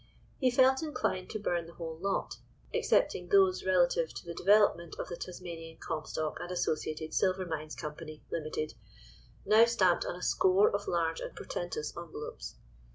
He felt inclined to burn the whole lot, excepting those relative to the development of the Tasmanian Comstock and Associated Silver Mines Company (Limited), now stamped on a score of large and portentous envelopes.